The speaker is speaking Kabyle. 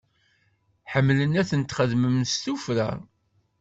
Ḥemmlen ad tent-xedmen s tufra.